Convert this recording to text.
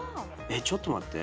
ちょっと待って。